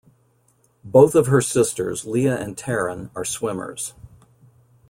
Both of her sisters, Leah and Taryn, are swimmers.